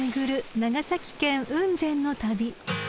長崎県雲仙の旅］